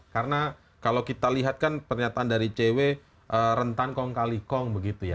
karena kalau kita lihat kan pernyataan dari cw rentan kong kali kong begitu ya